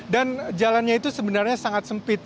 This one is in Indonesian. dan jalannya itu sebenarnya sangat sempit